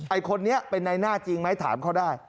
ไอ้คนนี้เป็นในหน้าจริงไหมถามเขาได้